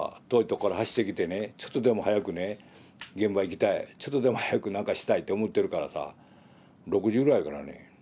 遠いとこから走ってきてねちょっとでも早くね現場行きたいちょっとでも早くなんかしたいって思ってるからさ６時ぐらいからね